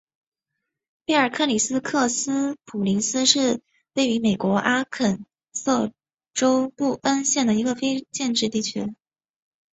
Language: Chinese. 贝尔克里克斯普林斯是位于美国阿肯色州布恩县的一个非建制地区。